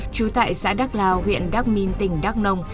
trú tại xã đắk lao huyện đắc minh tỉnh đắk nông